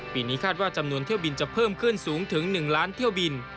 ปีนี้คาดว่าจำนวนเที่ยวบินจะเพิ่มขึ้นสูงถึง๑ล้านเที่ยวบิน